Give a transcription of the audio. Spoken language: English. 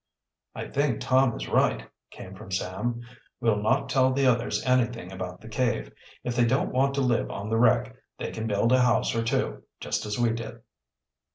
"I think Tom is right," came from Sam. "We'll not tell the others anything about the cave. If they don't want to live on the wreck, they can build a house or two, just as we did."